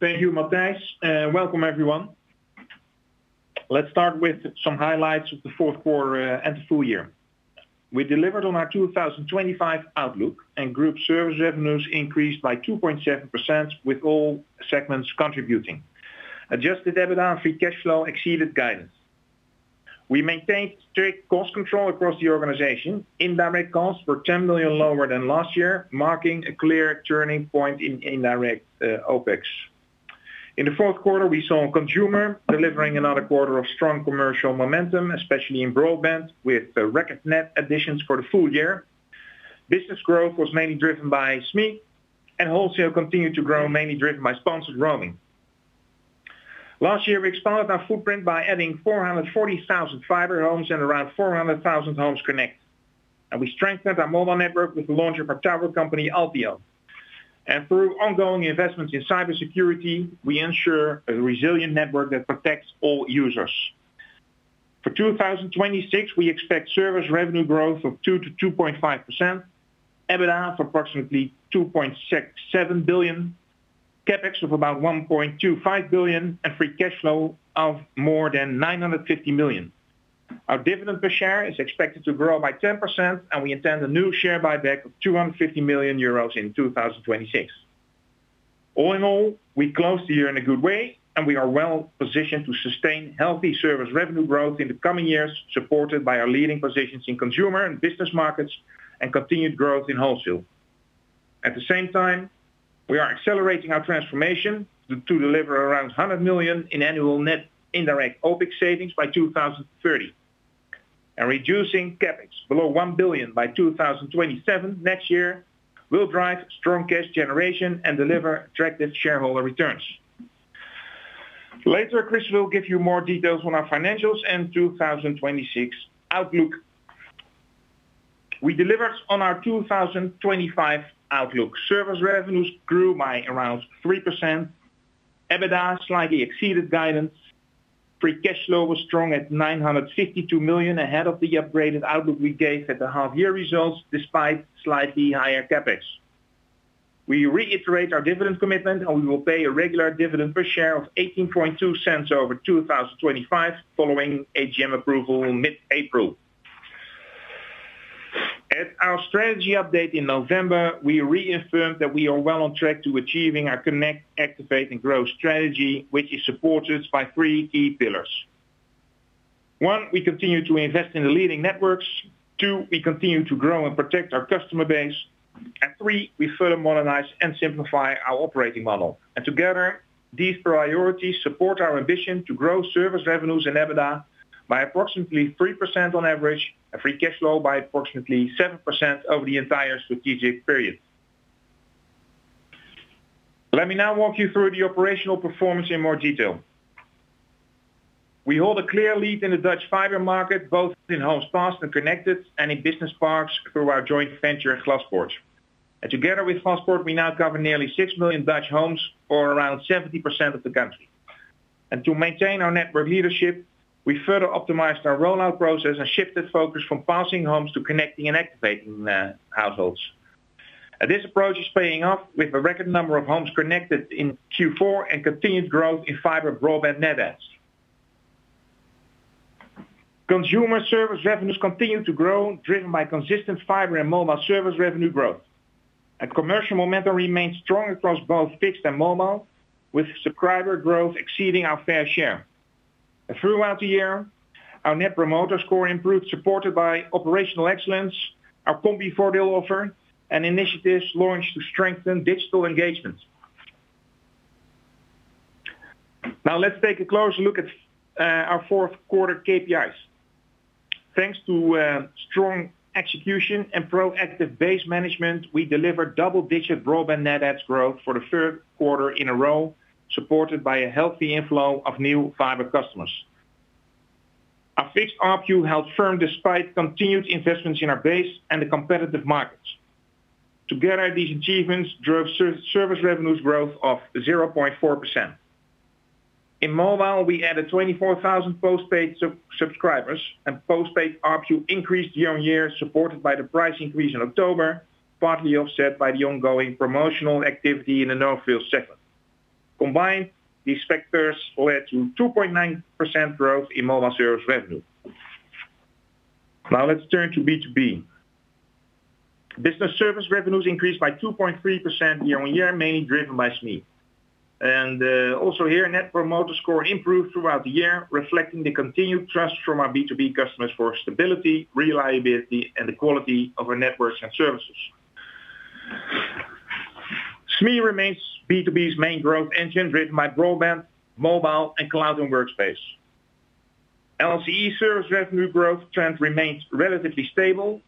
Thank you, Matthijs, and welcome everyone. Let's start with some highlights of the fourth quarter and the full year. We delivered on our 2025 outlook, and group service revenues increased by 2.7%, with all segments contributing. Adjusted EBITDA and free cash flow exceeded guidance. We maintained strict cost control across the organization. Indirect costs were 10 million lower than last year, marking a clear turning point in indirect OpEx. In the fourth quarter, we saw consumer delivering another quarter of strong commercial momentum, especially in broadband, with record net additions for the full year. Business growth was mainly driven by SME, and wholesale continued to grow, mainly driven by sponsored roaming. Last year, we expanded our footprint by adding 440,000 fiber homes and around 400,000 homes connected, and we strengthened our mobile network with the launch of our tower company, Althio. Through ongoing investments in cybersecurity, we ensure a resilient network that protects all users. For 2026, we expect service revenue growth of 2%-2.5%, EBITDA of approximately 2.67 billion, CapEx of about 1.25 billion, and free cash flow of more than 950 million. Our dividend per share is expected to grow by 10%, and we intend a new share buyback of 250 million euros in 2026. All in all, we closed the year in a good way, and we are well positioned to sustain healthy service revenue growth in the coming years, supported by our leading positions in consumer and business markets and continued growth in wholesale. At the same time, we are accelerating our transformation to deliver around 100 million in annual net indirect OpEx savings by 2030. Reducing CapEx below 1 billion by 2027 next year will drive strong cash generation and deliver attractive shareholder returns. Later, Chris will give you more details on our financials and 2026 outlook. We delivered on our 2025 outlook. Service revenues grew by around 3%. EBITDA slightly exceeded guidance. Free cash flow was strong at 952 million, ahead of the upgraded outlook we gave at the half-year results, despite slightly higher CapEx. We reiterate our dividend commitment, and we will pay a regular dividend per share of 0.182 over 2025, following AGM approval in mid-April. At our strategy update in November, we reaffirmed that we are well on track to achieving our Connect, Activate & Grow strategy, which is supported by three key pillars. One, we continue to invest in the leading networks. Two, we continue to grow and protect our customer base. And three, we further modernize and simplify our operating model. And together, these priorities support our ambition to grow service revenues and EBITDA by approximately 3% on average, and free cash flow by approximately 7% over the entire strategic period. Let me now walk you through the operational performance in more detail. We hold a clear lead in the Dutch fiber market, both in homes passed and connected, and in business parks through our joint venture in Glaspoort. And together with Glaspoort, we now cover nearly 6 million Dutch homes for around 70% of the country. And to maintain our network leadership, we further optimized our rollout process and shifted focus from passing homes to connecting and activating households. And this approach is paying off with a record number of homes connected in Q4 and continued growth in fiber broadband net adds. Consumer service revenues continued to grow, driven by consistent fiber and mobile service revenue growth. A commercial momentum remains strong across both fixed and mobile, with subscriber growth exceeding our fair share. Throughout the year, our Net Promoter Score improved, supported by operational excellence, our Combivoordeel offer, and initiatives launched to strengthen digital engagement. Now, let's take a closer look at our fourth quarter KPIs. Thanks to strong execution and proactive base management, we delivered double-digit broadband net adds growth for the third quarter in a row, supported by a healthy inflow of new fiber customers. Our fixed ARPU held firm despite continued investments in our base and the competitive markets. Together, these achievements drove service revenues growth of 0.4%. In mobile, we added 24,000 postpaid subscribers, and postpaid ARPU increased year on year, supported by the price increase in October, partly offset by the ongoing promotional activity in the fourth quarter. Combined, these factors led to 2.9% growth in mobile service revenue. Now, let's turn to B2B. Business service revenues increased by 2.3% year-on-year, mainly driven by SME. Also here, Net Promoter Score improved throughout the year, reflecting the continued trust from our B2B customers for stability, reliability, and the quality of our networks and services. SME remains B2B's main growth engine, driven by broadband, mobile, and cloud and workspace. LCE service revenue growth trend remains relatively stable,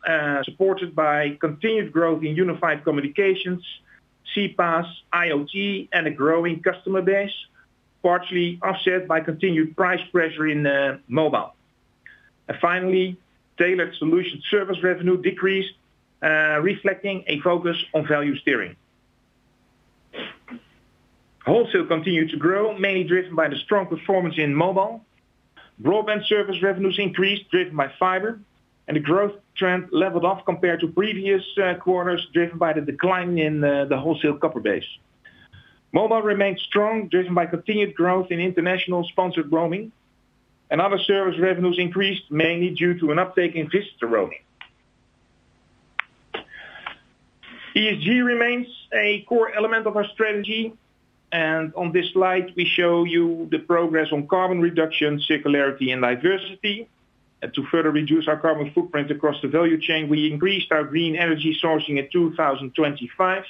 supported by continued growth in unified communications, CPaaS, IoT, and a growing customer base, partially offset by continued price pressure in mobile. Finally, tailored solution service revenue decreased, reflecting a focus on value steering. Wholesale continued to grow, mainly driven by the strong performance in mobile. Broadband service revenues increased, driven by fiber, and the growth trend leveled off compared to previous quarters, driven by the decline in the wholesale copper base. Mobile remained strong, driven by continued growth in international sponsored roaming, and other service revenues increased, mainly due to an uptake in visitor roaming. ESG remains a core element of our strategy, and on this slide we show you the progress on carbon reduction, circularity, and diversity. And to further reduce our carbon footprint across the value chain, we increased our green energy sourcing in 2025,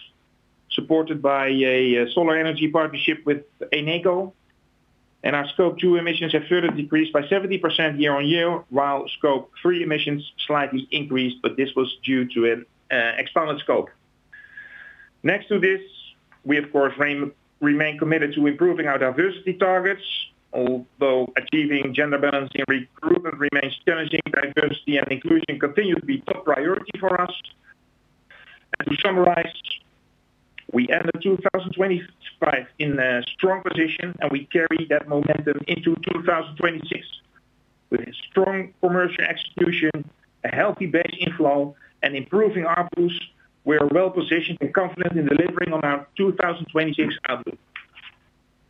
supported by a solar energy partnership with Eneco. And our Scope 2 emissions have further decreased by 70% year-on-year, while Scope 3 emissions slightly increased, but this was due to an expanded scope. Next to this, we of course remain committed to improving our diversity targets. Although achieving gender balance in recruitment remains challenging, diversity and inclusion continue to be top priority for us. As we summarize, we ended 2025 in a strong position, and we carry that momentum into 2026. With a strong commercial execution, a healthy base inflow, and improving ARPU, we are well positioned and confident in delivering on our 2026 outlook.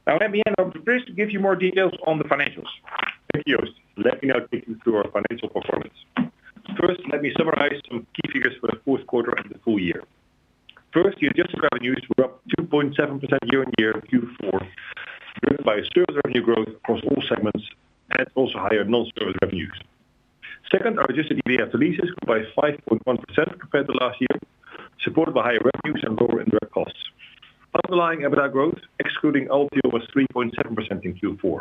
Now, let me hand over to Chris to give you more details on the financials. Thank you, Joost. Let me now take you through our financial performance. First, let me summarize some key figures for the fourth quarter and the full year. First, the adjusted revenues were up 2.7% year-on-year Q4, driven by a service revenue growth across all segments, and also higher non-service revenues. Second, our adjusted EBITDA increased by 5.1% compared to last year, supported by higher revenues and lower indirect costs. Underlying EBITDA growth, excluding Althio, was 3.7% in Q4,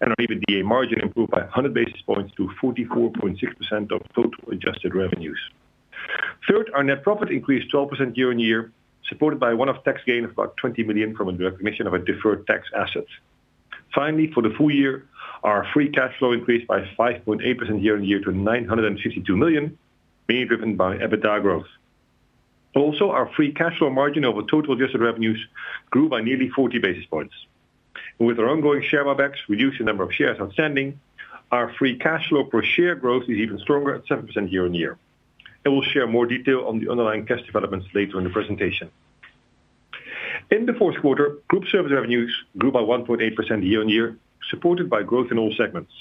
and our EBITDA margin improved by a hundred basis points to 44.6% of total adjusted revenues. Third, our net profit increased 12% year-on-year, supported by a one-off tax gain of about 20 million from the recognition of a deferred tax asset. Finally, for the full year, our free cash flow increased by 5.8% year-on-year to 962 million, mainly driven by EBITDA growth. Also, our free cash flow margin over total adjusted revenues grew by nearly 40 basis points. With our ongoing share buybacks, we reduced the number of shares outstanding. Our free cash flow per share growth is even stronger at 7% year-on-year, and we'll share more detail on the underlying cash developments later in the presentation. In the fourth quarter, group service revenues grew by 1.8% year-on-year, supported by growth in all segments.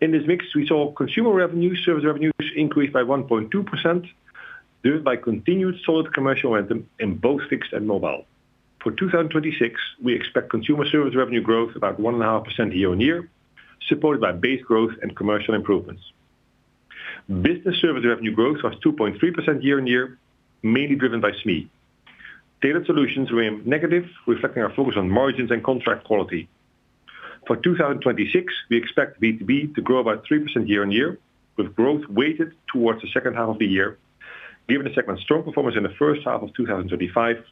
In this mix, we saw consumer revenue service revenues increase by 1.2%, driven by continued solid commercial momentum in both fixed and mobile. For 2026, we expect consumer service revenue growth about 1.5% year-on-year, supported by base growth and commercial improvements. Business service revenue growth was 2.3% year-on-year, mainly driven by SME. Tailored Solutions were negative, reflecting our focus on margins and contract quality. For 2026, we expect B2B to grow about 3% year-on-year, with growth weighted towards the second half of the year, given the segment's strong performance in the first half of 2025,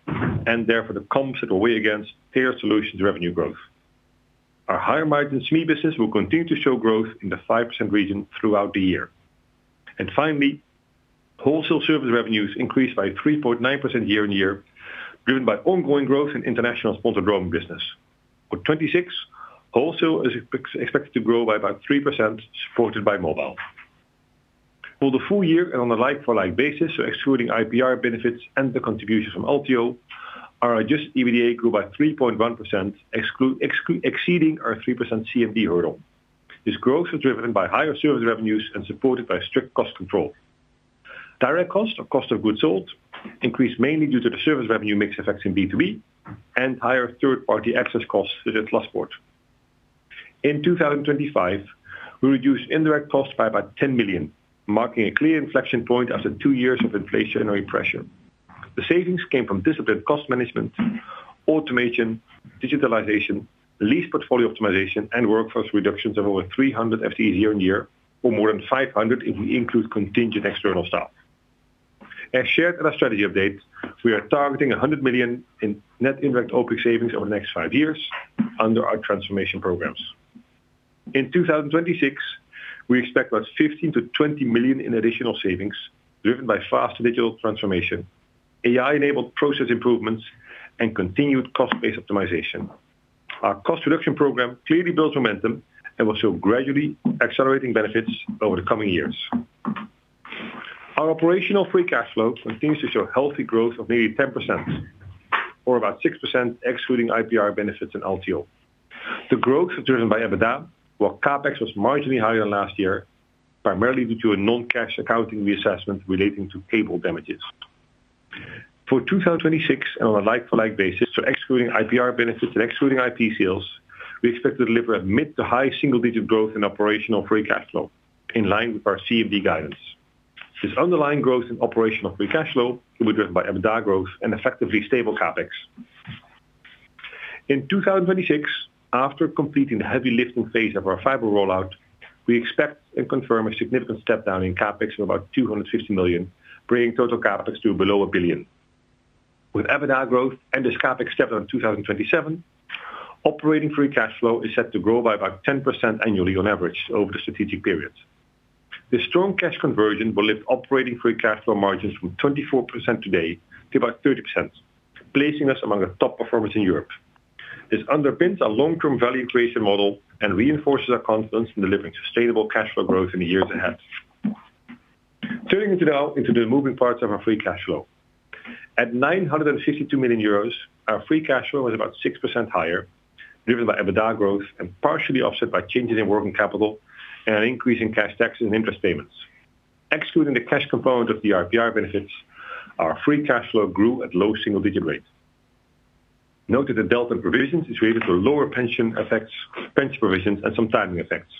and therefore, the comps it will weigh against Tailored Solutions revenue growth. Our higher margin SME business will continue to show growth in the 5% region throughout the year. And finally, wholesale service revenues increased by 3.9% year-on-year, driven by ongoing growth in international sponsored roaming business. For 2026, wholesale is expected to grow by about 3%, supported by mobile. For the full year and on a like-for-like basis, so excluding IPR benefits and the contribution from Althio, our adjusted EBITDA grew by 3.1%, exceeding our 3% CMD hurdle. This growth was driven by higher service revenues and supported by strict cost control. Direct costs or cost of goods sold increased mainly due to the service revenue mix effects in B2B and higher third-party access costs due to Glaspoort. In 2025, we reduced indirect costs by about 10 million, marking a clear inflection point after two years of inflationary pressure. The savings came from disciplined cost management, automation, digitalization, lease portfolio optimization, and workforce reductions of over 300 FTE year-on-year, or more than 500 if we include contingent external staff. As shared in our strategy update, we are targeting 100 million in net indirect OpEx savings over the next five years under our transformation programs. In 2026, we expect about 15 million-20 million in additional savings, driven by faster digital transformation, AI-enabled process improvements, and continued cost base optimization. Our cost reduction program clearly builds momentum and will show gradually accelerating benefits over the coming years. Our operational free cash flow continues to show healthy growth of nearly 10%, or about 6%, excluding IPR benefits and Althio. The growth is driven by EBITDA, while CapEx was marginally higher than last year, primarily due to a non-cash accounting reassessment relating to cable damages. For 2026, and on a like-for-like basis, so excluding IPR benefits and excluding IP sales, we expect to deliver a mid- to high single-digit growth in operational free cash flow, in line with our CMD guidance. This underlying growth in operational free cash flow will be driven by EBITDA growth and effectively stable CapEx. In 2026, after completing the heavy lifting phase of our fiber rollout, we expect and confirm a significant step down in CapEx of about 250 million, bringing total CapEx to below 1 billion. With EBITDA growth and this CapEx step down in 2027, operating free cash flow is set to grow by about 10% annually on average over the strategic period. The strong cash conversion will lift operating free cash flow margins from 24% today to about 30%, placing us among the top performers in Europe. This underpins our long-term value creation model and reinforces our confidence in delivering sustainable cash flow growth in the years ahead. Turning to now into the moving parts of our free cash flow. At 952 million euros, our free cash flow is about 6% higher, driven by EBITDA growth and partially offset by changes in working capital and an increase in cash tax and interest payments. Excluding the cash component of the IPR benefits, our free cash flow grew at low single-digit rates. Note that the delta provisions is related to lower pension effects, pension provisions, and some timing effects.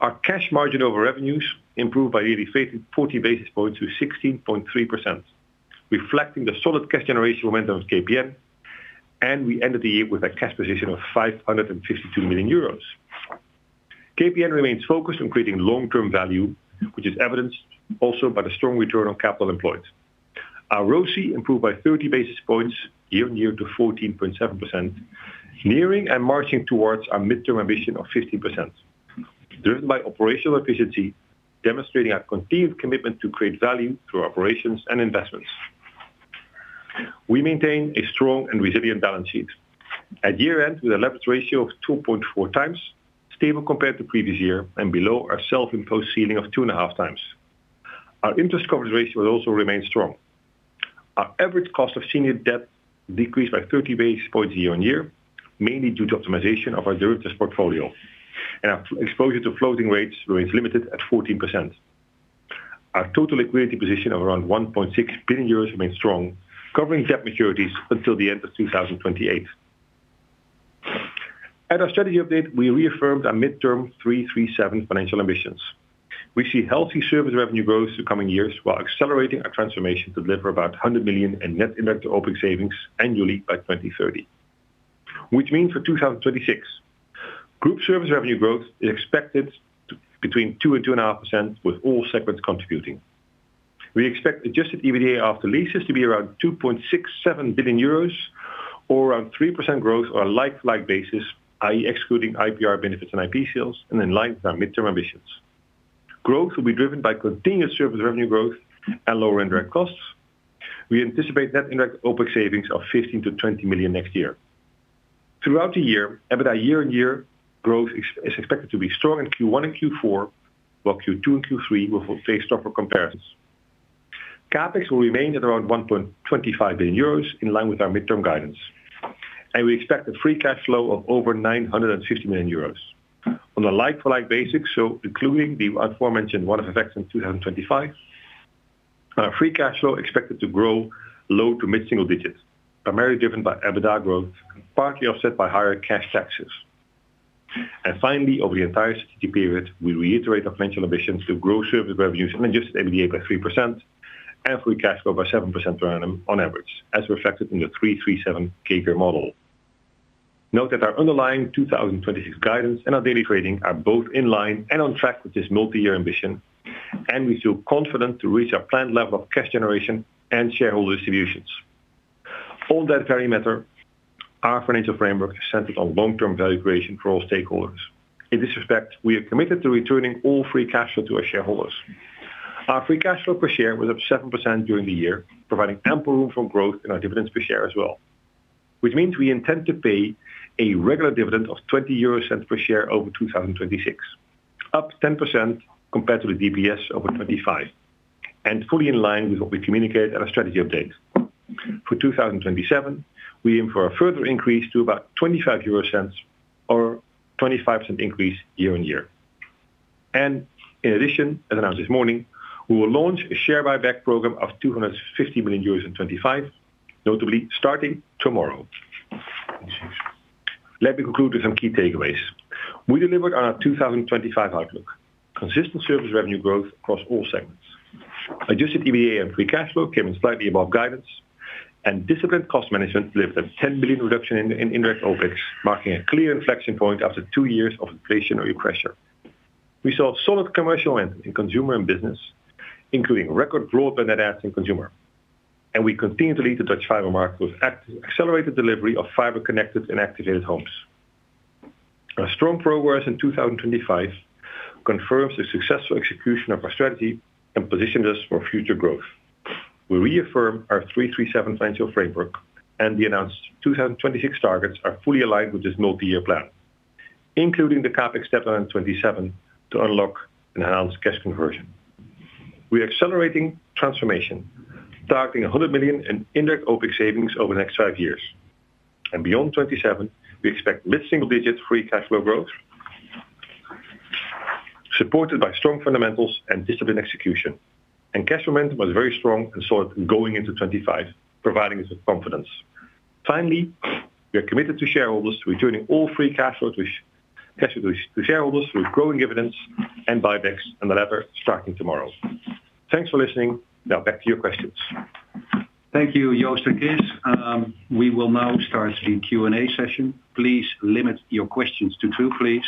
Our cash margin over revenues improved by 85.40 basis points to 16.3%, reflecting the solid cash generation momentum of KPN, and we ended the year with a cash position of 552 million euros. KPN remains focused on creating long-term value, which is evidenced also by the strong return on capital employed. Our ROCE improved by 30 basis points year-on-year to 14.7%, nearing and marching towards our midterm ambition of 15%, driven by operational efficiency, demonstrating our continued commitment to create value through operations and investments. We maintain a strong and resilient balance sheet. At year-end, with a leverage ratio of 2.4x, stable compared to previous year and below our self-imposed ceiling of 2.5x. Our interest coverage ratio has also remained strong. Our average cost of senior debt decreased by 30 basis points year-on-year, mainly due to optimization of our derivatives portfolio, and our exposure to floating rates remains limited at 14%. Our total liquidity position of around 1.6 billion euros remains strong, covering debt maturities until the end of 2028. At our strategy update, we reaffirmed our mid-term 3-3-7 financial ambitions. We see healthy service revenue growth through coming years while accelerating our transformation to deliver about 100 million in net indirect operating savings annually by 2030. Which means for 2026, group service revenue growth is expected to between 2% and 2.5%, with all segments contributing. We expect adjusted EBITDA after leases to be around 2.67 billion euros or around 3% growth on a like-for-like basis, i.e., excluding IPR benefits and IP sales and in line with our midterm ambitions. Growth will be driven by continued service revenue growth and lower indirect costs. We anticipate net indirect OpEx savings of 15 million-20 million next year. Throughout the year, EBITDA year-on-year growth is expected to be strong in Q1 and Q4, while Q2 and Q3 will face tougher comparisons. CapEx will remain at around 1.25 billion euros, in line with our midterm guidance, and we expect a free cash flow of over 950 million euros. On a like-for-like basis, so including the aforementioned one-off effects in 2025, our free cash flow expected to grow low to mid-single digits, primarily driven by EBITDA growth and partly offset by higher cash taxes. And finally, over the entire strategic period, we reiterate our financial ambitions to grow service revenues and adjusted EBITDA by 3% and free cash flow by 7% per annum on average, as reflected in the 3-3-7 KPN model. Note that our underlying 2026 guidance and our daily trading are both in line and on track with this multi-year ambition, and we feel confident to reach our planned level of cash generation and shareholder distributions. On that very matter, our financial framework is centered on long-term value creation for all stakeholders. In this respect, we are committed to returning all free cash flow to our shareholders. Our free cash flow per share was up 7% during the year, providing ample room for growth in our dividends per share as well, which means we intend to pay a regular dividend of 0.20 per share over 2026, up 10% compared to the DPS over 2025, and fully in line with what we communicated at our strategy update. For 2027, we aim for a further increase to about 0.25 or 0.25 increase year on year. And in addition, as announced this morning, we will launch a share buyback program of 250 million euros in 2025, notably starting tomorrow. Let me conclude with some key takeaways. We delivered on our 2025 outlook. Consistent service revenue growth across all segments. Adjusted EBITDA and free cash flow came in slightly above guidance, and disciplined cost management delivered a 10 million reduction in indirect OpEx, marking a clear inflection point after two years of inflationary pressure. We saw solid commercial entry in consumer and business, including record growth and net adds in consumer. We continue to lead the Dutch fiber market with accelerated delivery of fiber-connected and activated homes. Our strong progress in 2025 confirms the successful execution of our strategy and positions us for future growth. We reaffirm our 3-3-7 financial framework, and the announced 2026 targets are fully aligned with this multi-year plan, including the CapEx deadline in 2027 to unlock enhanced cash conversion. We are accelerating transformation, targeting 100 million in indirect OpEx savings over the next five years. Beyond 2027, we expect mid-single-digit free cash flow growth, supported by strong fundamentals and disciplined execution. Cash momentum was very strong and solid going into 2025, providing us with confidence. Finally, we are committed to returning all free cash flow to shareholders through growing dividends and buybacks, and the latter starting tomorrow. Thanks for listening. Now back to your questions. Thank you, Joost and Chris. We will now start the Q&A session. Please limit your questions to two, please.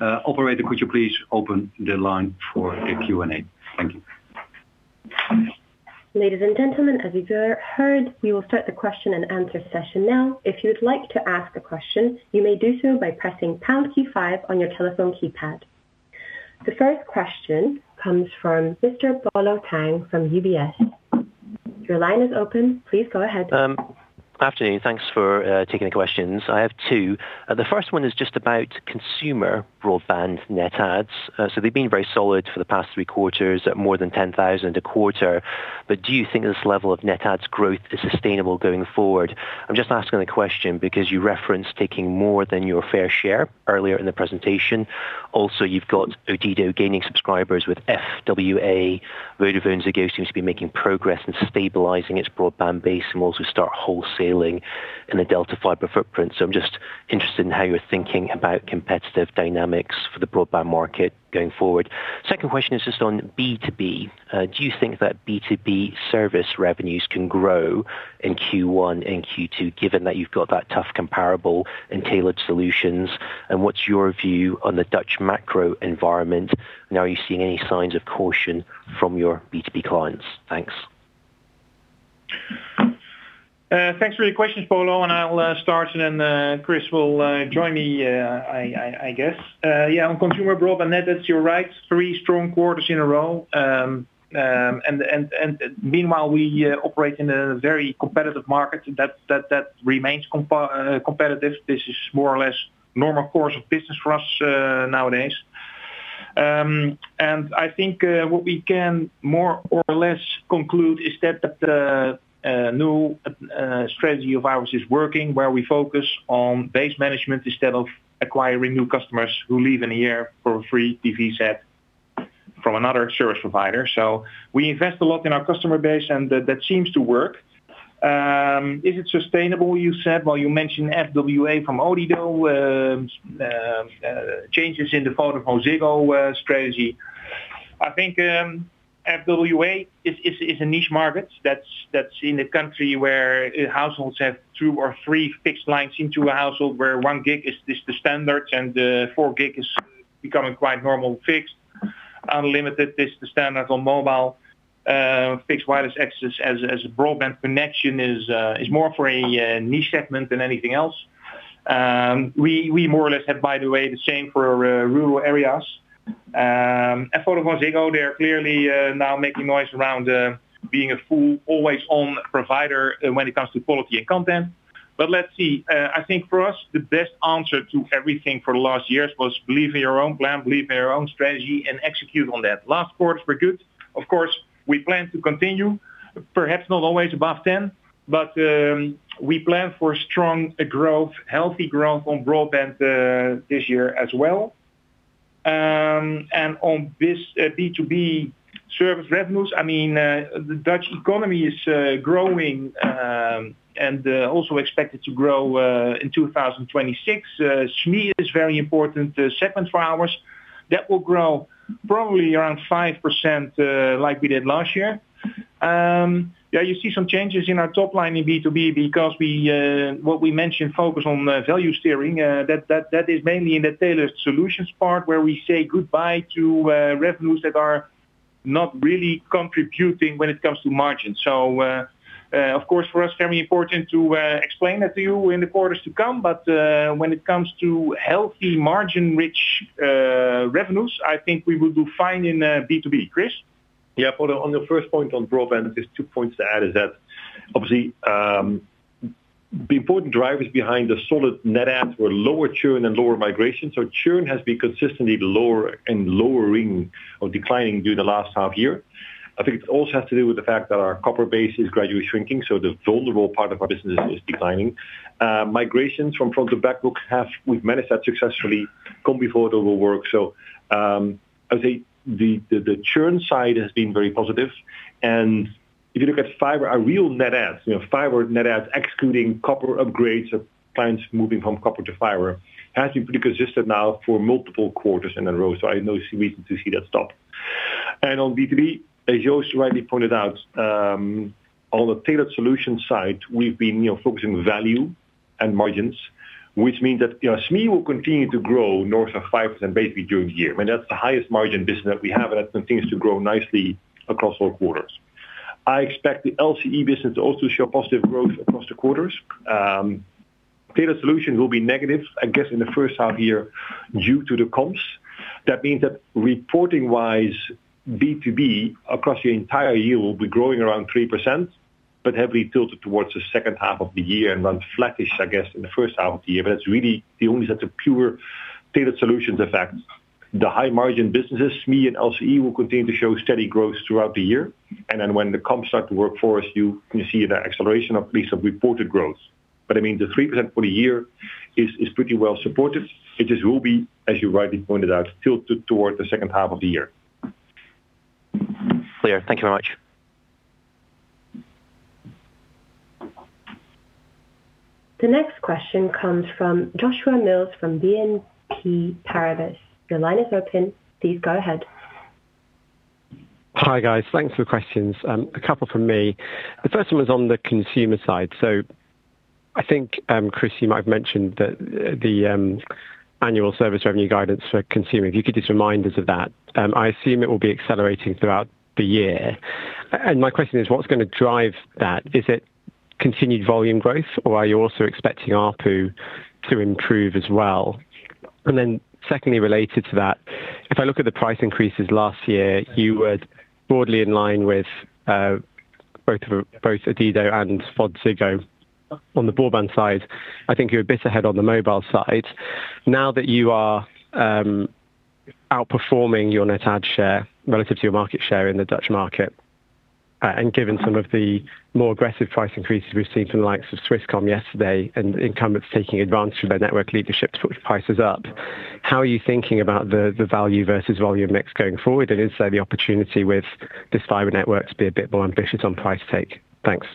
Operator, could you please open the line for the Q&A? Thank you. Ladies and gentlemen, as you just heard, we will start the question-and-answer session now. If you would like to ask a question, you may do so by pressing pound key five on your telephone keypad. The first question comes from Mr. Polo Tang from UBS. Your line is open. Please go ahead. Afternoon. Thanks for taking the questions. I have two. The first one is just about consumer broadband net adds. So they've been very solid for the past three quarters at more than 10,000 a quarter. But do you think this level of net adds growth is sustainable going forward? I'm just asking the question because you referenced taking more than your fair share earlier in the presentation. Also, you've got Odido gaining subscribers with FWA. VodafoneZiggo seems to be making progress in stabilizing its broadband base and will also start wholesaling in the Delta Fiber footprint. So I'm just interested in how you're thinking about competitive dynamics for the broadband market going forward. Second question is just on B2B. Do you think that B2B service revenues can grow in Q1 and Q2, given that you've got that tough comparable and tailored solutions? And what's your view on the Dutch macro environment, and are you seeing any signs of caution from your B2B clients? Thanks. Thanks for your questions, Polo, and I'll start, and then Chris will join me, I guess. Yeah, on consumer broadband, net adds, you're right, three strong quarters in a row. And meanwhile, we operate in a very competitive market. That remains competitive. This is more or less normal course of business for us nowadays. And I think what we can more or less conclude is that the new strategy of ours is working, where we focus on base management instead of acquiring new customers who leave in a year for a free TV set from another service provider. So we invest a lot in our customer base, and that seems to work. Is it sustainable, you said? Well, you mentioned FWA from Odido, changes in the portfolio from Ziggo strategy. I think FWA is a niche market. That's in a country where households have two or three fixed lines into a household, where one gig is the standard, and four gig is becoming quite normal, fixed. Unlimited is the standard on mobile. Fixed wireless access as a broadband connection is more for a niche segment than anything else. We more or less have, by the way, the same for rural areas. And for the Ziggo, they're clearly now making noise around being a full, always-on provider when it comes to quality and content. But let's see. I think for us, the best answer to everything for the last years was believe in your own plan, believe in your own strategy, and execute on that. Last quarter was pretty good. Of course, we plan to continue, perhaps not always above 10, but we plan for strong growth, healthy growth on broadband this year as well. And on this, B2B service revenues, I mean, the Dutch economy is growing and also expected to grow in 2026. SME is very important segment for ours. That will grow probably around 5%, like we did last year. Yeah, you see some changes in our top line in B2B because we, what we mentioned, focus on the value steering. That is mainly in the tailored solutions part, where we say goodbye to revenues that are not really contributing when it comes to margin. So, of course, for us, very important to explain that to you in the quarters to come, but, when it comes to healthy margin-rich revenues, I think we will do fine in B2B. Chris? Yeah, Polo, on your first point on broadband, just two points to add is that obviously, the important drivers behind the solid net adds were lower churn and lower migration. Churn has been consistently lower and declining during the last half year. I think it also has to do with the fact that our copper base is gradually shrinking, so the vulnerable part of our business is declining. Migrations from front to back book have—we've managed that successfully, Combivoordeel would work. I would say the churn side has been very positive. If you look at fiber, our real net adds, you know, fiber net adds, excluding copper upgrades of clients moving from copper to fiber, has been pretty consistent now for multiple quarters in a row. I no see reason to see that stop. On B2B, as Joost rightly pointed out, on the tailored solution side, we've been, you know, focusing value and margins, which mean that, you know, SME will continue to grow north of 5% basically during the year. I mean, that's the highest margin business that we have, and that continues to grow nicely across all quarters. I expect the LCE business to also show positive growth across the quarters. Tailored solution will be negative, I guess, in the first half year, due to the comps. That means that reporting-wise, B2B, across the entire year, will be growing around 3%, but heavily tilted towards the second half of the year and run flattish, I guess, in the first half of the year. But that's really the only set of pure tailored solutions effect. The high-margin businesses, SME and LCE, will continue to show steady growth throughout the year. And then when the comps start to work for us, you, you see the acceleration of at least of reported growth. But I mean, the 3% for the year is, is pretty well supported. It just will be, as you rightly pointed out, tilted toward the second half of the year. Clear. Thank you very much. The next question comes from Joshua Mills from BNP Paribas. Your line is open. Please go ahead. Hi, guys. Thanks for the questions. A couple from me. The first one was on the consumer side. So, I think, Chris, you might have mentioned that the annual service revenue guidance for consumer, if you could just remind us of that. I assume it will be accelerating throughout the year. And my question is, what's gonna drive that? Is it continued volume growth, or are you also expecting ARPU to improve as well? And then secondly, related to that, if I look at the price increases last year, you were broadly in line with both Odido and VodafoneZiggo. On the broadband side, I think you're a bit ahead on the mobile side. Now that you are outperforming your net add share relative to your market share in the Dutch market, and given some of the more aggressive price increases we've seen from the likes of Swisscom yesterday, and incumbents taking advantage of their network leadership to put prices up, how are you thinking about the value versus volume mix going forward, and is there the opportunity with this fiber networks be a bit more ambitious on price take? Thanks.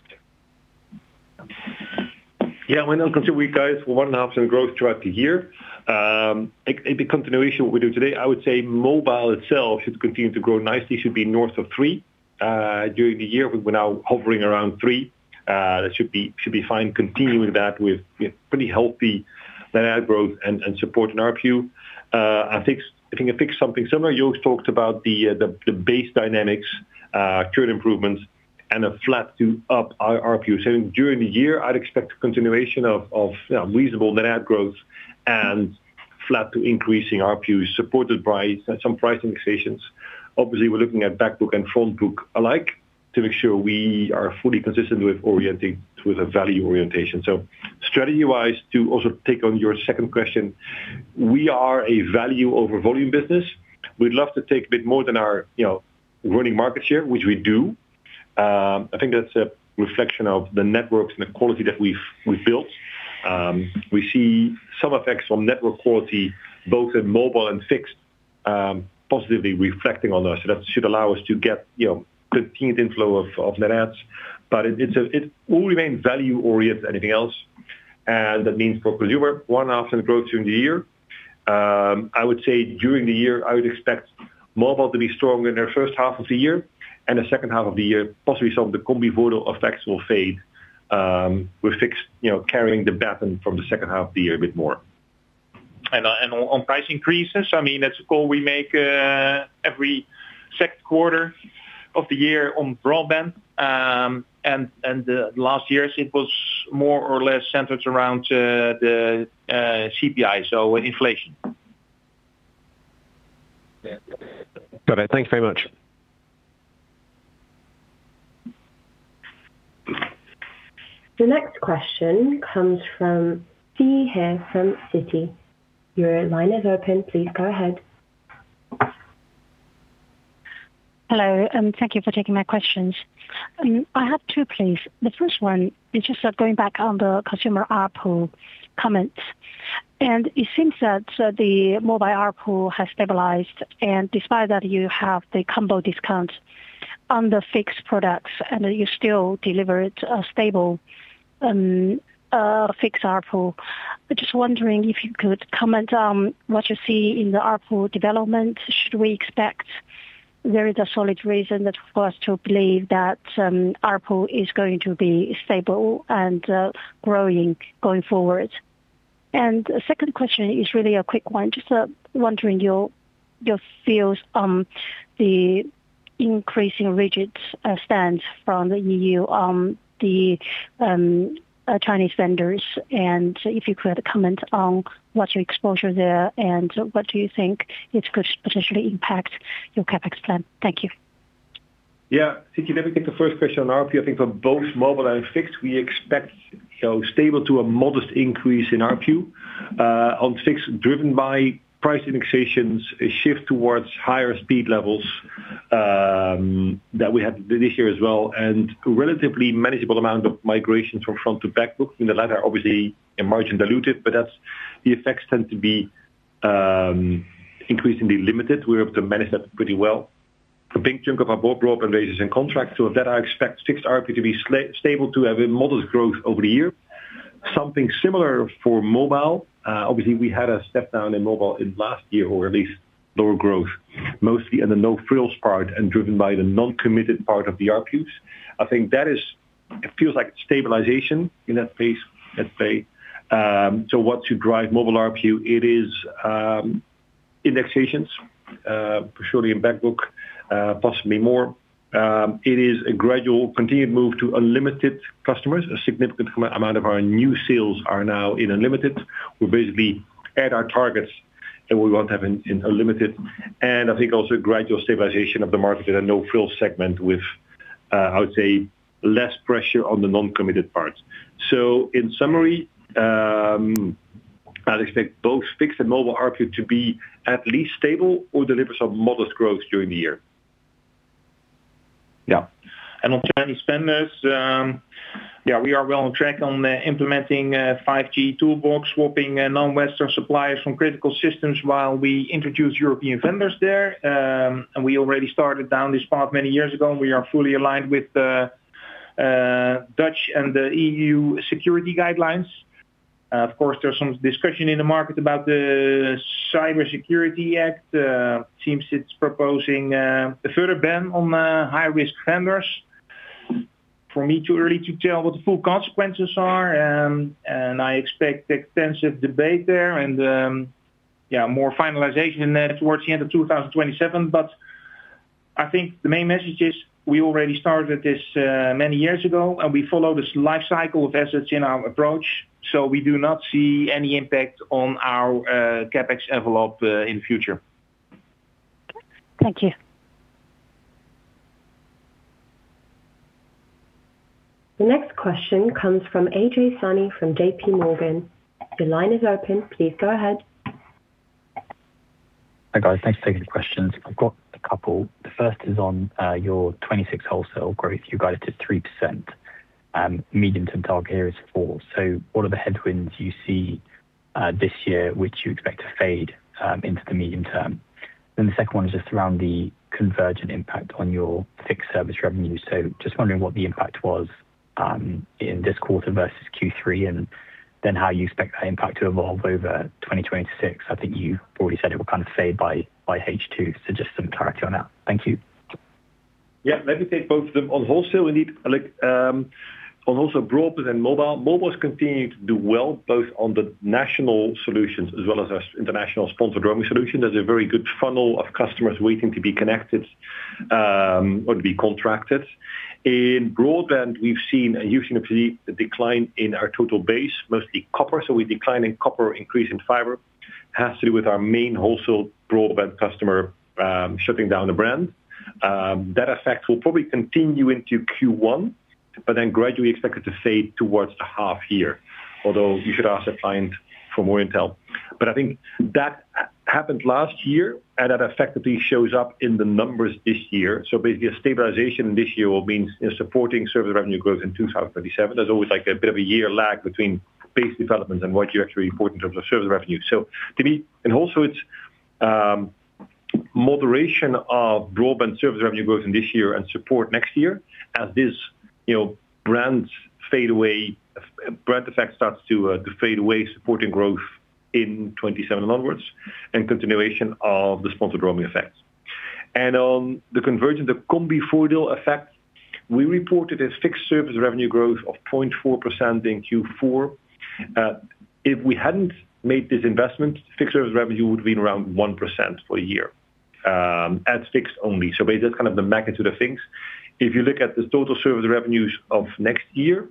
Yeah, when I come to you guys, 1.5% growth throughout the year. It becomes no issue what we do today. I would say mobile itself should continue to grow nicely, should be north of 3%. During the year, we were now hovering around 3%. That should be fine. Continuing with that, you know, pretty healthy net add growth and supporting ARPU. I think I picked something similar. Joost talked about the base dynamics, current improvements, and a flat to up ARPU. So during the year, I'd expect a continuation of reasonable net add growth and flat to increasing ARPU, supported by some price indexations. Obviously, we're looking at back book and front book alike to make sure we are fully consistent with orienting with a value orientation. So strategy-wise, to also take on your second question, we are a value over volume business. We'd love to take a bit more than our, you know, running market share, which we do. I think that's a reflection of the networks and the quality that we've, we've built. We see some effects on network quality, both in mobile and fixed, positively reflecting on us. So that should allow us to get, you know, continued inflow of, of net adds. But it, it's a—it will remain value-oriented anything else, and that means for consumer, 1.5% growth during the year. I would say during the year, I would expect mobile to be strong in their first half of the year, and the second half of the year, possibly some of the combi promo effects will fade, with fixed, you know, carrying the baton from the second half of the year a bit more. And on price increases, I mean, that's a call we make every second quarter of the year on broadband. Last year it was more or less centered around the CPI, so inflation. Got it. Thank you very much. The next question comes from Siyi He from Citi. Your line is open. Please go ahead. Hello, thank you for taking my questions. I have two, please. The first one is just going back on the consumer ARPU comments, and it seems that the mobile ARPU has stabilized, and despite that, you have the combo discount on the fixed products, and you still deliver a stable fixed ARPU. I'm just wondering if you could comment on what you see in the ARPU development. Should we expect there is a solid reason for us to believe that ARPU is going to be stable and growing going forward? And the second question is really a quick one. Just wondering your views on the increasing rigid stance from the EU on the Chinese vendors, and if you could comment on what's your exposure there, and what do you think it could potentially impact your CapEx plan? Thank you. Yeah. Thank you. Let me take the first question on ARPU. I think for both mobile and fixed, we expect, you know, stable to a modest increase in ARPU. On fixed, driven by price indexations, a shift towards higher speed levels, that we had this year as well, and a relatively manageable amount of migrations from front book to back book. In the latter, obviously a margin diluted, but that's the effects tend to be increasingly limited. We're able to manage that pretty well. A big chunk of our broadband base is in contracts, so with that, I expect fixed ARPU to be stable to have a modest growth over the year. Something similar for mobile. Obviously, we had a step down in mobile in last year, or at least lower growth, mostly in the no-frills part and driven by the non-committed part of the ARPUs. I think that is, it feels like stabilization in that pace, at play. So what to drive mobile ARPU? It is, indexations, surely in back book, possibly more. It is a gradual continued move to unlimited customers. A significant amount of our new sales are now in unlimited. We're basically at our targets, and we want half in unlimited. And I think also gradual stabilization of the market in a no-frill segment with, I would say, less pressure on the non-committed parts. So in summary, I'd expect both fixed and mobile ARPU to be at least stable or deliver some modest growth during the year. Yeah. And on Chinese vendors, yeah, we are well on track on implementing 5G Toolbox, swapping non-Western suppliers from critical systems while we introduce European vendors there. We already started down this path many years ago, and we are fully aligned with the Dutch and the EU security guidelines. Of course, there's some discussion in the market about the Cybersecurity Act. Seems it's proposing a further ban on high-risk vendors. For me, too early to tell what the full consequences are, and I expect extensive debate there, and yeah, more finalization in that towards the end of 2027. But I think the main message is, we already started this many years ago, and we follow this life cycle with assets in our approach, so we do not see any impact on our CapEx envelope in the future. Thank you. The next question comes from Ajay Soni from JPMorgan. Your line is open. Please go ahead. Hi, guys. Thanks for taking the questions. I've got a couple. The first is on your 2026 wholesale growth. You guide it to 3%, medium-term target here is 4%. So what are the headwinds you see this year, which you expect to fade into the medium term? Then the second one is just around the convergent impact on your fixed service revenue. So just wondering what the impact was in this quarter versus Q3, and then how you expect that impact to evolve over 2026. I think you've already said it will kind of fade by H2. So just some clarity on that. Thank you. Yeah, let me take both of them. On wholesale, we need, like, on wholesale, broadband, mobile. Mobile is continuing to do well, both on the national solutions as well as our international sponsored roaming solution. There's a very good funnel of customers waiting to be connected, or to be contracted. In broadband, we've seen usually a decline in our total base, mostly copper. So we decline in copper, increase in fiber. Has to do with our main wholesale broadband customer, shutting down the brand. That effect will probably continue into Q1, but then gradually expected to fade towards the half year. Although you should ask the client for more intel. But I think that happened last year, and that effectively shows up in the numbers this year. So basically, a stabilization this year will mean, you know, supporting service revenue growth in 2027. There's always, like, a bit of a year lag between base developments and what you actually report in terms of service revenue. So to me. And also it's moderation of broadband service revenue growth in this year and support next year, as this, you know, brands fade away, brand effect starts to fade away, supporting growth in 2027 onwards and continuation of the sponsored roaming effects. And on the convergent, the Combivoordeel effect, we reported a fixed service revenue growth of 0.4% in Q4. If we hadn't made this investment, fixed service revenue would have been around 1% for a year, as fixed only. So basically, that's kind of the magnitude of things. If you look at the total service revenues of next year,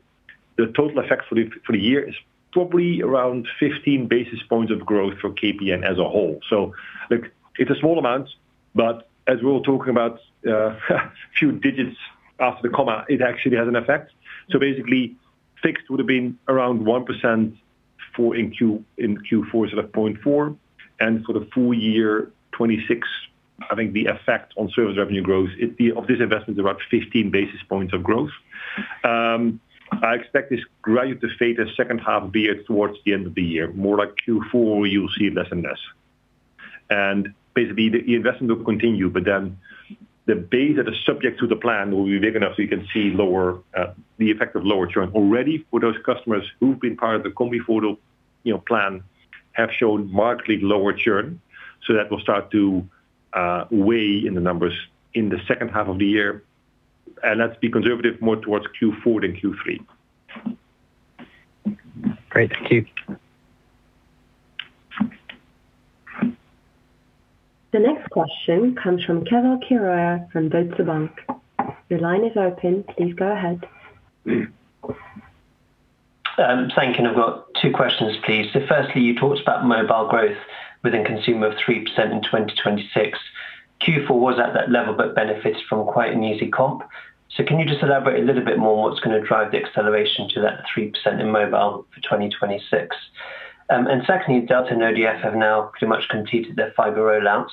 the total effect for the, for the year is probably around 15 basis points of growth for KPN as a whole. Look, it's a small amount, but as we were talking about, few digits after the comma, it actually has an effect. Basically, fixed would have been around 1% for in Q4 instead of 0.4%, and for the full year 2026, I think the effect on service revenue growth of this investment is about 15 basis points of growth. I expect this gradually to fade as second half, be it towards the end of the year. More like Q4, you'll see less and less. And basically, the investment will continue, but then the base that is subject to the plan will be big enough so you can see lower, the effect of lower churn. Already, for those customers who've been part of the Combivoordeel, you know, plan, have shown markedly lower churn, so that will start to weigh in the numbers in the second half of the year. And let's be conservative, more towards Q4 than Q3. Great. Thank you. The next question comes from Keval Khiroya from Deutsche Bank. Your line is open. Please go ahead. Thank you. I've got two questions, please. Firstly, you talked about mobile growth within consumer of 3% in 2026. Q4 was at that level, but benefits from quite an easy comp. Can you just elaborate a little bit more what's gonna drive the acceleration to that 3% in mobile for 2026? And secondly, Delta and ODF have now pretty much completed their fiber rollouts.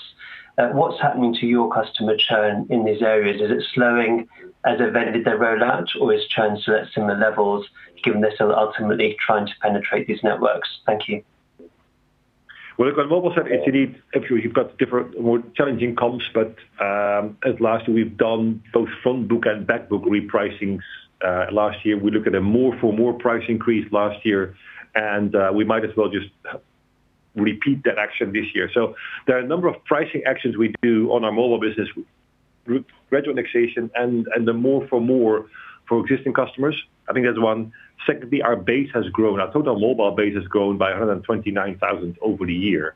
What's happening to your customer churn in these areas? Is it slowing as they've ended their rollout, or is churn still at similar levels, given they're still ultimately trying to penetrate these networks? Thank you. Well, look, on mobile side, actually, you've got different, more challenging comps, but, at last, we've done both front book and back book repricings, last year. We looked at a more for more price increase last year, and, we might as well just repeat that action this year. So there are a number of pricing actions we do on our mobile business, rate indexation and the more for more for existing customers. I think that's one. Secondly, our base has grown. Our total mobile base has grown by 129,000 over the year.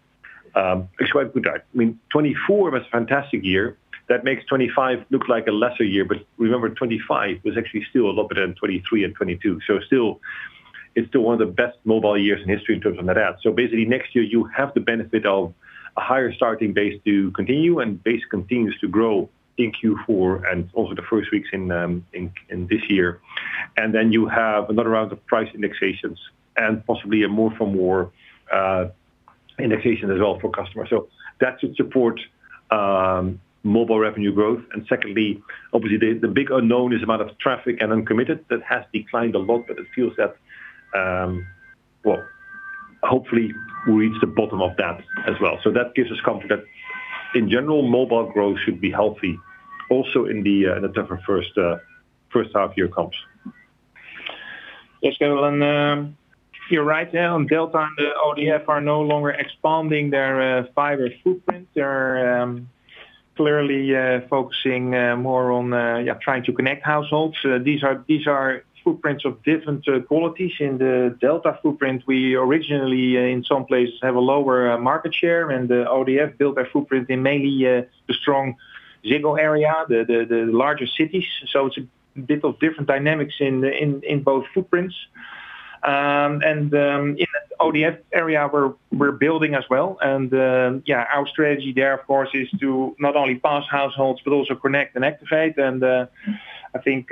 Actually, I mean, 2024 was a fantastic year. That makes 2025 look like a lesser year, but remember, 2025 was actually still a lot better than 2023 and 2022. So still, it's still one of the best mobile years in history in terms of that. So basically, next year, you have the benefit of a higher starting base to continue, and base continues to grow in Q4 and also the first weeks in this year. And then you have another round of price indexations and possibly a more for more indexation as well for customers. So that should support mobile revenue growth. And secondly, obviously, the big unknown is the amount of traffic and uncommitted. That has declined a lot, but it feels that hopefully, we'll reach the bottom of that as well. So that gives us comfort that in general, mobile growth should be healthy, also in the tougher first half year comps. Yes, Kevin, you're right. Delta and the ODF are no longer expanding their fiber footprint. They're clearly focusing more on yeah, trying to connect households. These are footprints of different qualities. In the Delta footprint, we originally in some places have a lower market share, and the ODF built their footprint in mainly the strong signal area, the larger cities. So it's a bit of different dynamics in both footprints. And in the ODF area, we're building as well. And yeah, our strategy there, of course, is to not only pass households, but also connect and activate. And I think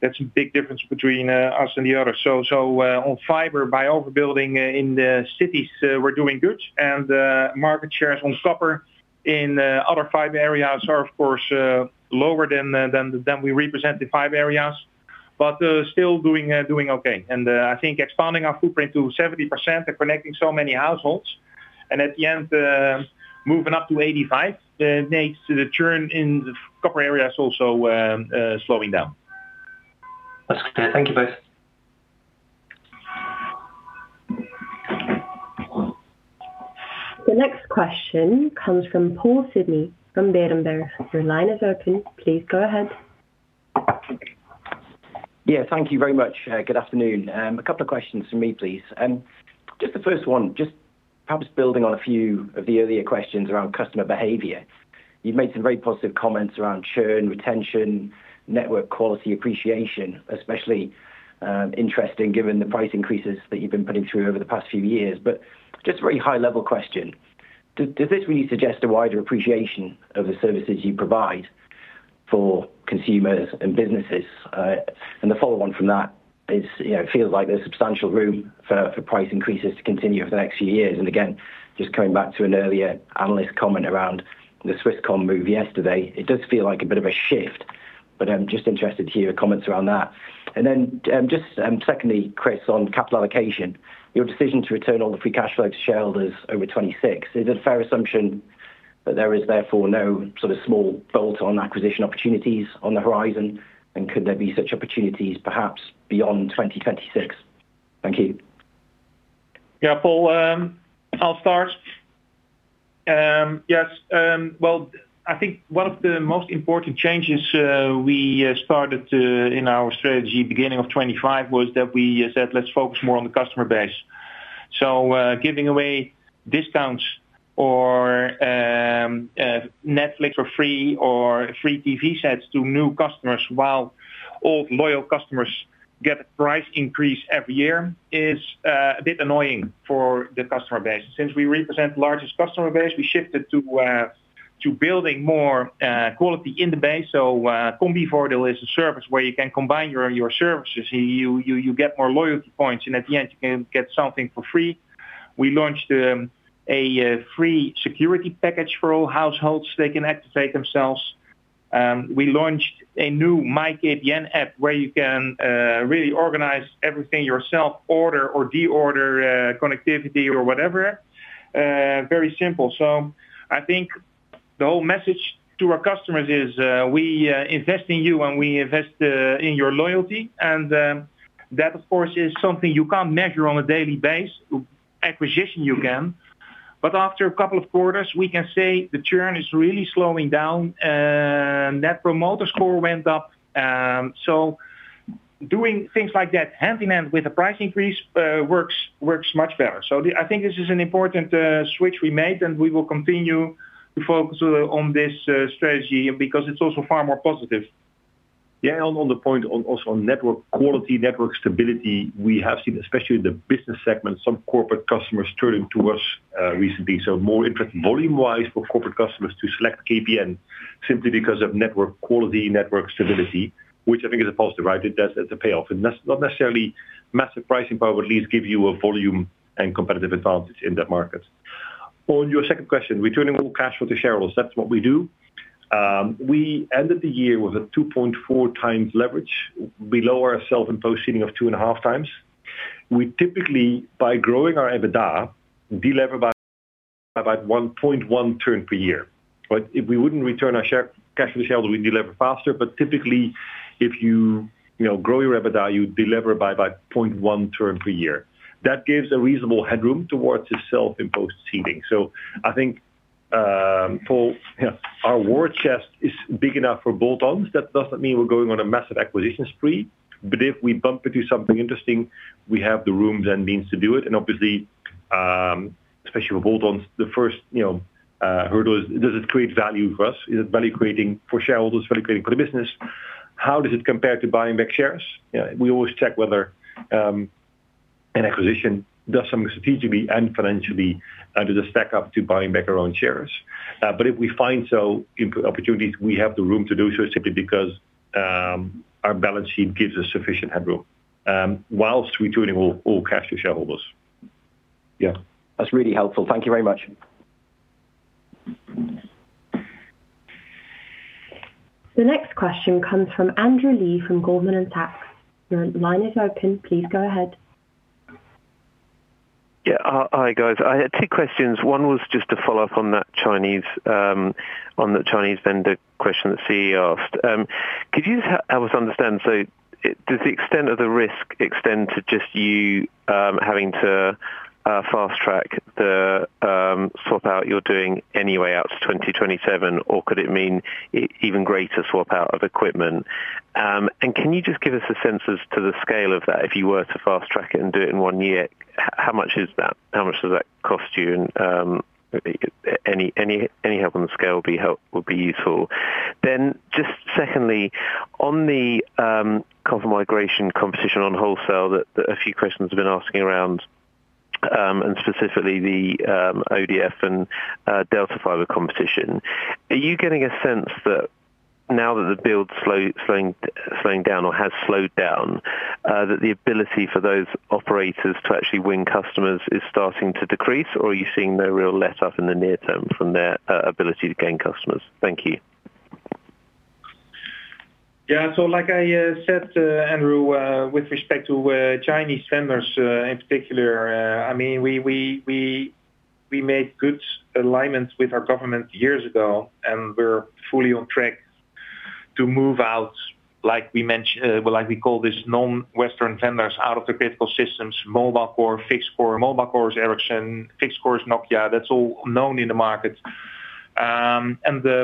that's a big difference between us and the others. So on fiber, by overbuilding in the cities, we're doing good. Market shares on copper in other fiber areas are, of course, lower than the than we represent the fiber areas, but still doing okay. I think expanding our footprint to 70% and connecting so many households, and at the end, moving up to 85% makes the churn in the copper areas also slowing down. That's clear. Thank you both. The next question comes from Paul Sidney from Berenberg. Your line is open. Please go ahead. Yeah, thank you very much. Good afternoon. A couple of questions from me, please. Just the first one, just perhaps building on a few of the earlier questions around customer behavior. You've made some very positive comments around churn, retention, network quality, appreciation, especially interesting, given the price increases that you've been putting through over the past few years. But just a very high-level question: Does this really suggest a wider appreciation of the services you provide for consumers and businesses? And the follow on from that is, you know, it feels like there's substantial room for price increases to continue over the next few years. And again, just coming back to an earlier analyst comment around the Swisscom move yesterday, it does feel like a bit of a shift, but I'm just interested to hear your comments around that. And then, just, secondly, Chris, on capital allocation, your decision to return all the free cash flow to shareholders over 2026, is it a fair assumption that there is therefore no sort of small bolt-on acquisition opportunities on the horizon? And could there be such opportunities perhaps beyond 2026? Thank you. Yeah, Paul, I'll start. Well, I think one of the most important changes, we started to in our strategy, beginning of 2025, was that we said, "Let's focus more on the customer base." So, giving away discounts or, Netflix for free or free TV sets to new customers, while old loyal customers get a price increase every year, is a bit annoying for the customer base. Since we represent the largest customer base, we shifted to, to building more, quality in the base. So, Combivoordeel is a service where you can combine your, your services. You, you, you get more loyalty points, and at the end, you can get something for free. We launched a free security package for all households they can activate themselves. We launched a new MijnKPN app, where you can really organize everything yourself, order or de-order connectivity or whatever. Very simple. So I think the whole message to our customers is we invest in you and we invest in your loyalty, and that, of course, is something you can't measure on a daily basis. Acquisition, you can. But after a couple of quarters, we can say the churn is really slowing down, and Net Promoter Score went up. So doing things like that, hand in hand with a price increase, works, works much better. I think this is an important switch we made, and we will continue to focus on this strategy because it's also far more positive. Yeah, on the point, also on network quality, network stability, we have seen, especially in the business segment, some corporate customers turning to us recently. So more interest volume-wise for corporate customers to select KPN simply because of network quality, network stability, which I think is a positive, right? It does. It's a payoff. And that's not necessarily massive pricing power, but at least give you a volume and competitive advantage in that market. On your second question, returning all cash to shareholders, that's what we do. We ended the year with a 2.4x leverage below our self-imposed ceiling of 2.5x. We typically, by growing our EBITDA, delever by about 1.1 turn per year. But if we wouldn't return our cash to the shareholder, we delever faster. But typically, if you, you know, grow your EBITDA, you delever by 0.1 turn per year. That gives a reasonable headroom towards the self-imposed ceiling. So I think, Paul, yeah, our war chest is big enough for bolt-ons. That doesn't mean we're going on a massive acquisition spree, but if we bump into something interesting, we have the room and means to do it. And obviously, especially with bolt-ons, the first, you know, hurdle is, does it create value for us? Is it value creating for shareholders, value creating for the business? How does it compare to buying back shares? Yeah, we always check whether, an acquisition does something strategically and financially, does it stack up to buying back our own shares. But if we find some opportunities, we have the room to do so simply because our balance sheet gives us sufficient headroom while returning all cash to shareholders. Yeah. That's really helpful. Thank you very much. The next question comes from Andrew Lee from Goldman Sachs. Your line is open. Please go ahead. Yeah. Hi, guys. I had two questions. One was just to follow up on that Chinese, on the Chinese vendor question that Siyi asked. Could you help us understand, so, does the extent of the risk extend to just you, having to, fast track the, swap out you're doing anyway out to 2027, or could it mean e-even greater swap out of equipment? And can you just give us a sense as to the scale of that, if you were to fast track it and do it in 1 year, h-how much is that? How much does that cost you? And, a-any, any, any help on the scale would be help- would be useful. Then just secondly, on the copper migration competition on wholesale that a few questions have been asking around, and specifically the ODF and Delta Fiber competition. Are you getting a sense that now that the build slowing down or has slowed down, that the ability for those operators to actually win customers is starting to decrease, or are you seeing no real letup in the near term from their ability to gain customers? Thank you. Yeah. So like I said, Andrew, with respect to Chinese vendors in particular, I mean, we made good alignments with our government years ago, and we're fully on track to move out, like we mention—like we call this non-Western vendors out of the critical systems, mobile core, fixed core. Mobile core is Ericsson, fixed core is Nokia. That's all known in the market. And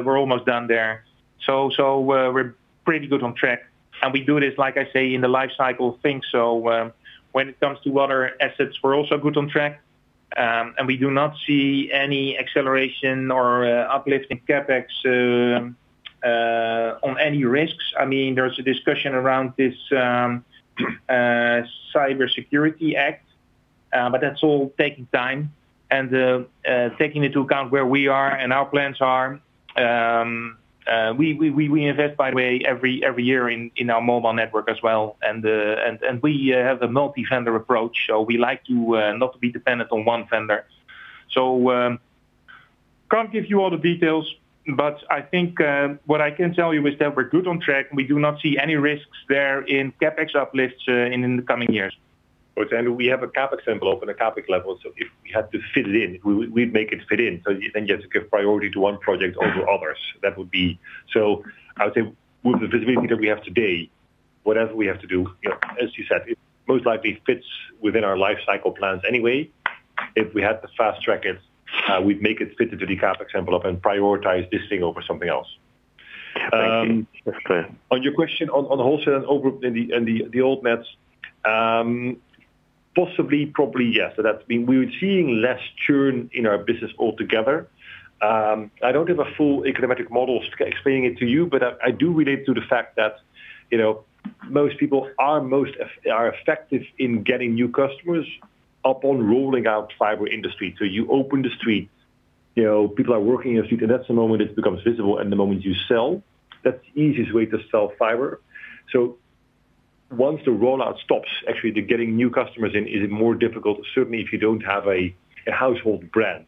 we're almost done there. So we're pretty good on track, and we do this, like I say, in the life cycle thing. So when it comes to other assets, we're also good on track. And we do not see any acceleration or uplift in CapEx on any risks. I mean, there's a discussion around this Cybersecurity Act, but that's all taking time. Taking into account where we are and our plans are, we invest, by the way, every year in our mobile network as well, and we have a multi-vendor approach, so we like to not be dependent on one vendor. So, can't give you all the details, but I think what I can tell you is that we're good on track, and we do not see any risks there in CapEx uplifts in the coming years. But Andrew, we have a CapEx envelope and a CapEx level, so if we had to fit it in, we'd make it fit in. So then you have to give priority to one project or to others. That would be... I would say, with the visibility that we have today, whatever we have to do, you know, as you said, it most likely fits within our life cycle plans anyway. If we had to fast track it, we'd make it fit into the CapEx envelope and prioritize this thing over something else. Thank you. That's clear. On your question on the wholesale and Odido, possibly, probably, yes. So we're seeing less churn in our business altogether. I don't have a full econometric model explaining it to you, but I do relate to the fact that, you know, most people are effective in getting new customers upon rolling out fiber in the street. So you open the street, you know, people are working in the street, and that's the moment it becomes visible, and the moment you sell, that's the easiest way to sell fiber. So once the rollout stops, actually, the getting new customers in is more difficult, certainly if you don't have a household brand.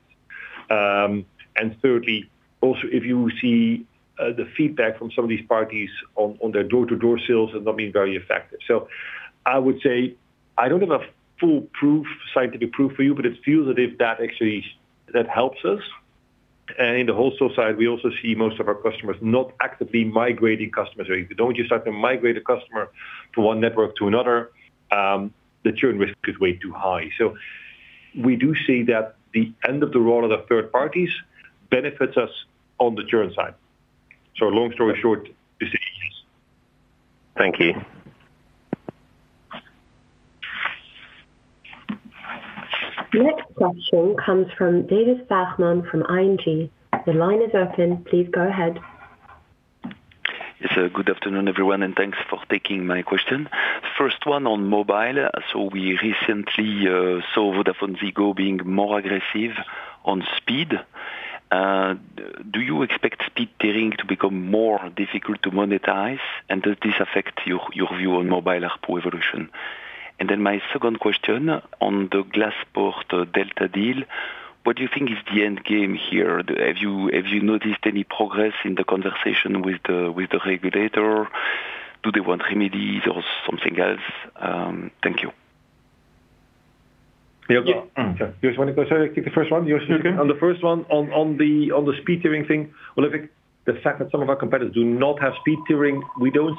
And thirdly, also, if you see the feedback from some of these parties on their door-to-door sales has not been very effective. So I would say, I don't have a foolproof, scientific proof for you, but it's true that that actually helps us. And in the wholesale side, we also see most of our customers not actively migrating customers. So if you don't just start to migrate a customer to one network to another, the churn risk is way too high. So we do see that the end of the role of the third parties benefits us on the churn side. So long story short, you see. Thank you. The next question comes from David Vagman from ING. The line is open. Please go ahead. Yes, so good afternoon, everyone, and thanks for taking my question. First one on mobile. So we recently saw VodafoneZiggo being more aggressive on speed. Do you expect speed tiering to become more difficult to monetize? And does this affect your view on mobile ARPU evolution? And then my second question on the Glaspoort Delta deal, what do you think is the end game here? Have you noticed any progress in the conversation with the regulator? Do they want remedies or something else? Thank you. Yeah. Okay. You just want to go ahead, take the first one? Okay. On the first one, on the speed tiering thing, well, I think the fact that some of our competitors do not have speed tiering, we don't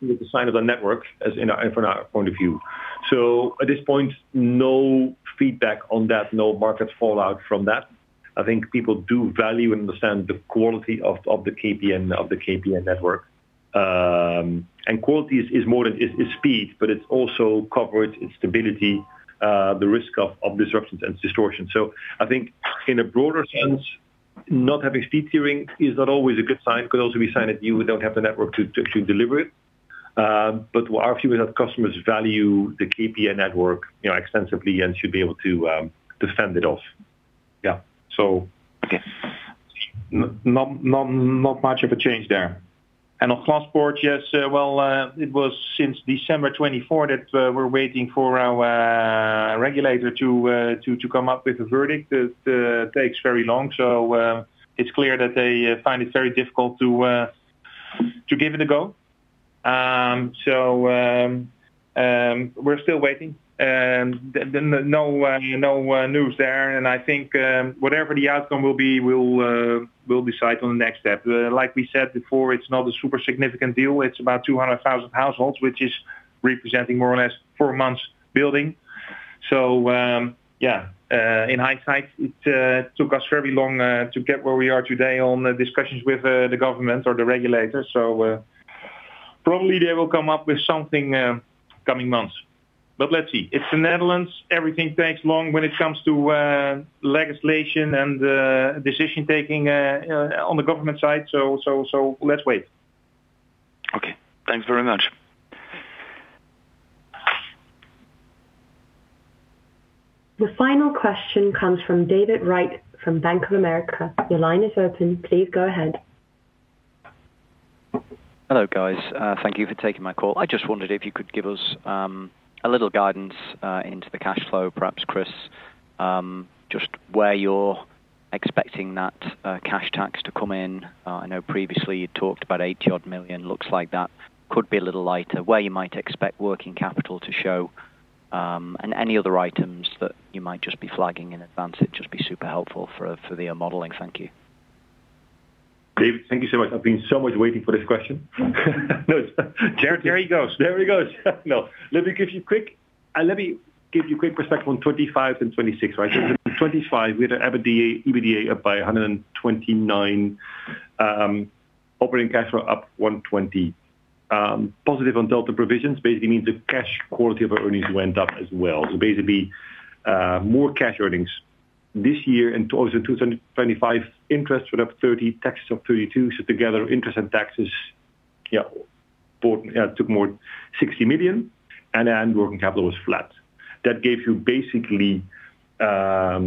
see it as a sign of strength, with the sign of a network, as in our, from our point of view. So at this point, no feedback on that, no market fallout from that. I think people do value and understand the quality of the KPN network. And quality is more than speed, but it's also coverage and stability, the risk of disruptions and distortion. So I think in a broader sense, not having speed tiering is not always a good sign. It could also be a sign that you don't have the network to deliver it. But our view is that customers value the KPN network, you know, extensively and should be able to fend it off. Yeah. So- Okay. Not much of a change there. And on Glaspoort, yes, well, it was since December 2024 that we're waiting for our regulator to come up with a verdict. It takes very long. So, it's clear that they find it very difficult to give it a go. So, we're still waiting. No news there, and I think, whatever the outcome will be, we'll decide on the next step. Like we said before, it's not a super significant deal. It's about 200,000 households, which is representing more or less four months building. So, yeah, in hindsight, it took us very long to get where we are today on the discussions with the government or the regulators. So, probably they will come up with something, coming months. But let's see. It's the Netherlands, everything takes long when it comes to legislation and on the government side. So, let's wait. Okay. Thanks very much. The final question comes from David Wright from Bank of America. Your line is open. Please go ahead. Hello, guys. Thank you for taking my call. I just wondered if you could give us a little guidance into the cash flow, perhaps, Chris, just where you're expecting that cash tax to come in. I know previously you talked about 80-odd million. Looks like that could be a little lighter. Where you might expect working capital to show, and any other items that you might just be flagging in advance, it'd just be super helpful for the modeling. Thank you. David, thank you so much. I've been so much waiting for this question. There, there he goes. There he goes. No. Let me give you quick perspective on 2025 and 2026, right? So 2025, we had an EBITDA up by 129 million, operating cash flow up 120 million. Positive on delta provisions, basically means the cash quality of our earnings went up as well. So basically, more cash earnings. This year, in 2025, interest were up 30, taxes up 32, so together, interest and taxes, yeah, brought, took more 60 million, and then working capital was flat. That gave you basically, a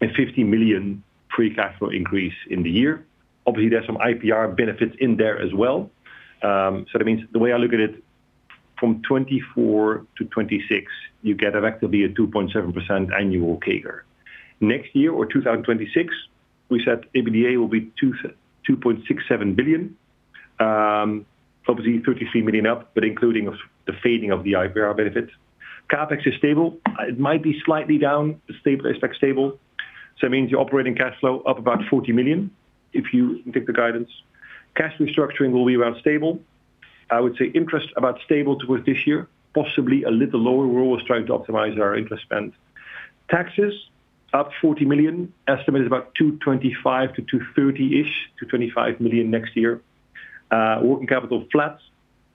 50 million free cash flow increase in the year. Obviously, there's some IPR benefits in there as well. So that means the way I look at it, from 2024 to 2026, you get effectively a 2.7% annual CAGR. Next year or 2026, we said EBITDA will be 2.67 billion, obviously 33 million up, but including the fading of the IPR benefits. CapEx is stable. It might be slightly down, stable, expect stable. So it means your operating cash flow up about 40 million, if you take the guidance. Cash restructuring will be around stable. I would say interest about stable towards this year, possibly a little lower. We're always trying to optimize our interest spend. Taxes, up 40 million, estimated about 225 million-230 million-ish, to 225 million next year. Working capital, flat,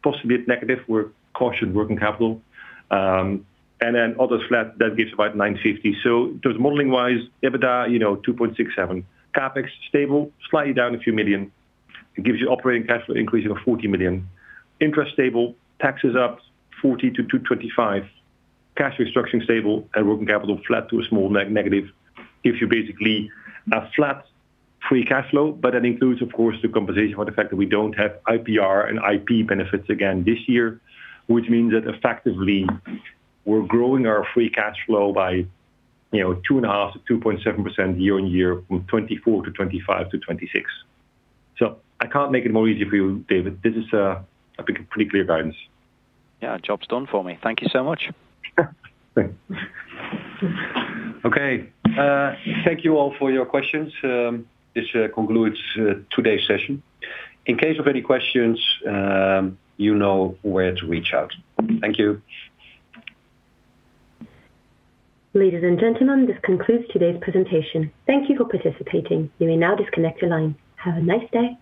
possibly negative. We're cautious working capital. And then other flat, that gives about 950 million. So just modeling wise, EBITDA, you know, 2.67. CapEx, stable, slightly down a few million. It gives you operating cash flow increase of 40 million. Interest, stable. Taxes up 40 million to 225 million. Cash restructuring, stable, and working capital, flat to a small negative, gives you basically a flat free cash flow, but that includes, of course, the compensation for the fact that we don't have IPR and IP benefits again this year, which means that effectively, we're growing our free cash flow by, you know, 2.5%-2.7% year-on-year, from 2024 to 2025 to 2026. So I can't make it more easy for you, David. This is a, I think, a pretty clear guidance. Yeah, job's done for me. Thank you so much. Okay, thank you all for your questions. This concludes today's session. In case of any questions, you know where to reach out. Thank you. Ladies and gentlemen, this concludes today's presentation. Thank you for participating. You may now disconnect your line. Have a nice day.